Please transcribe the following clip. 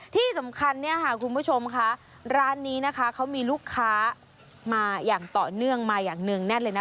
ที่สำคัญเนี่ยค่ะคุณผู้ชมค่ะร้านนี้นะคะเขามีลูกค้ามาอย่างต่อเนื่องมาอย่างเนื่องแน่นเลยนะ